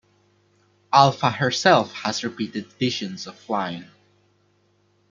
Alpha herself has repeated visions of flying.